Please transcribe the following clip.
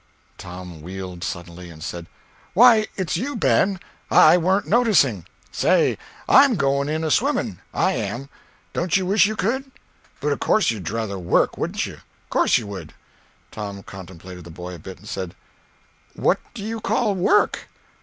Tom wheeled suddenly and said: "Why, it's you, Ben! I warn't noticing." "Say—I'm going in a swimming, I am. Don't you wish you could? But of course you'd druther work—wouldn't you? Course you would!" Tom contemplated the boy a bit, and said: "What do you call work?"